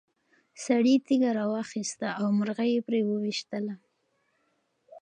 سړي تیږه راواخیسته او مرغۍ یې پرې وویشتله.